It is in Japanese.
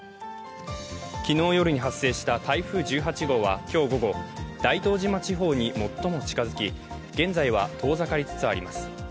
昨日夜に発生した台風１８号は今日午後、大東島地方に最も近づき現在は遠ざかりつつあります。